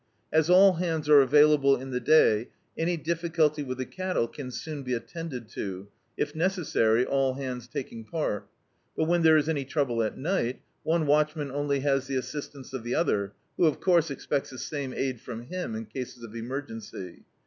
As all hands are available in the day, any difficulty with the cattle can soon be attended to; if necessary, all hands taking part. But when there is any trouble at ni^t, one watchman only has the assistance of the other, who, of course, expects the same aid from him, in cases of emergency.